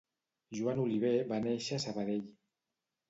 Joan Oliver va néixer a Sabadell